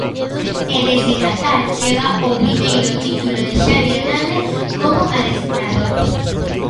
E desde Qatar chega o primeiro título de Xavi Hernández como adestrador.